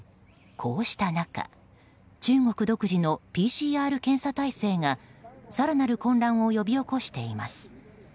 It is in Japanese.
こうした中中国独自のＰＣＲ検査態勢が更なる混乱を呼び起こしています。